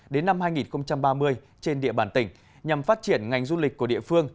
đến năm hai nghìn ba mươi trên địa bàn tỉnh nhằm phát triển ngành du lịch của địa phương